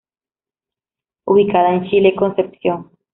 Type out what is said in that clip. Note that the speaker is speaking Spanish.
Ubicada en Chile, Concepción.